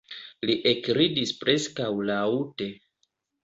Li ekridis preskaŭ laŭte.